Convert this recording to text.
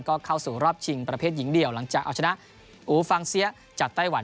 ก็เข้าสู่รอบชิงประเภทหญิงเดี่ยวหลังจากเอาชนะอูฟางเซียจากไต้หวัน